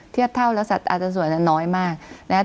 เทียบเท่าแล้วสัตว์อาจจะส่วนน้อยมากนะครับ